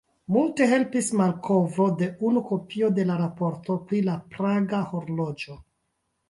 Multe helpis malkovro de unu kopio de la Raporto pri la Praga horloĝo.